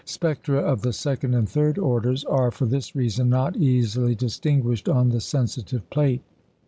Spectra of the second and third orders are for this reason not easily distinguished on the sensitive plate.